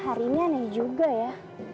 hari ini aneh juga ya